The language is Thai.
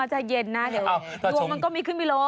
อาจจะเย็นนะเดี๋ยวดวงมันก็มีขึ้นมีลง